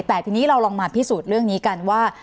แต่ทีนี้เราลองมาพิสูจน์เรื่องนี้กันว่า